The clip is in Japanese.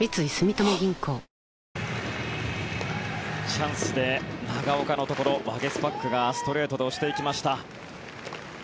チャンスで長岡のところワゲスパックがストレートで押していきました。